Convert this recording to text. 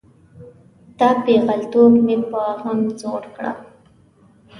دا پیغلتوب مې په غم زوړ کړه.